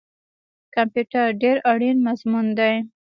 کمپیوټر ډیر اړین مضمون دی